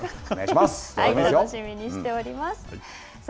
楽しみにしております。